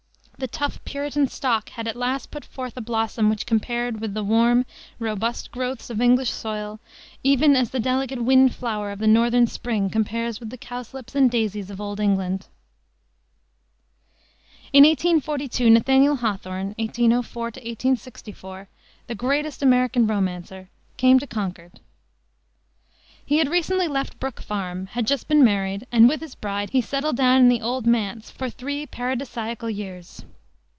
The tough Puritan stock had at last put forth a blossom which compared with the warm, robust growths of English soil even as the delicate wind flower of the northern spring compares with the cowslips and daisies of old England. In 1842 Nathaniel Hawthorne (1804 1864) the greatest American romancer, came to Concord. He had recently left Brook Farm, had just been married, and with his bride he settled down in the "Old Manse" for three paradisaical years.